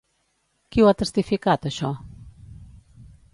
Qui ho ha testificat, això?